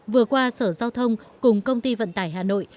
vừa qua sở giao thông cùng công ty vận tải hà nội